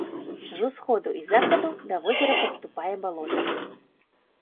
З усходу і захаду да возера падступае балота.